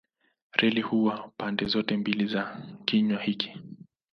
Reli huwa pande zote mbili za kinywa hiki.